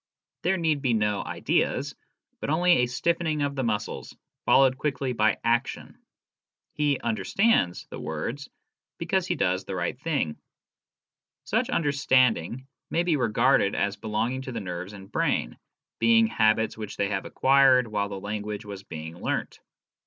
There need be no " ideas," but only a stiffening of the muscles, followed quickly by action. He " understands " the words, because he does the right thing. Such " understanding " may be regarded as belonging to the nerves and brain, being habits which they have acquired while the language was being learnt.